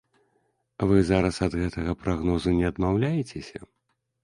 Вы зараз ад гэтага прагнозу не адмаўляецеся?